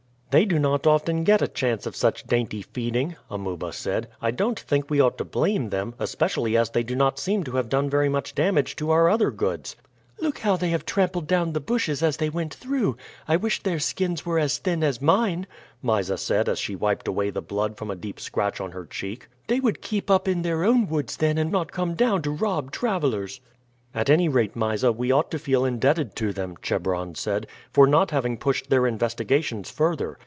"They do not often get a chance of such dainty feeding," Amuba said. "I don't think we ought to blame them, especially as they do not seem to have done very much damage to our other goods." "Look how they have trampled down the bushes as they went through. I wish their skins were as thin as mine," Mysa said as she wiped away the blood from a deep scratch on her cheek; "they would keep up in their own woods then and not come down to rob travelers." "At any rate, Mysa, we ought to feel indebted to them," Chebron said, "for not having pushed their investigations further.